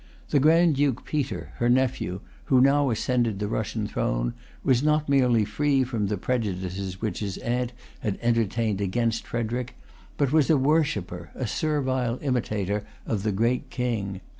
The Grand Duke Peter, her nephew, who now ascended the Russian throne, was not merely free from the prejudices which his aunt had entertained against Frederic, but was a worshipper, a servile imitator of the great King.